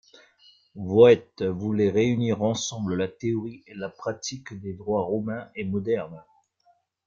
Voët voulait réunir ensemble la théorie et la pratique des droits romain et moderne.